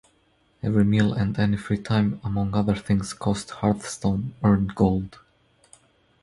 Every meal and any freetime, among other things, cost Hearthstone earned gold.